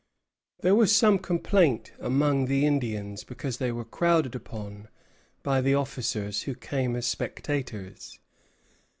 There was some complaint among the Indians because they were crowded upon by the officers who came as spectators.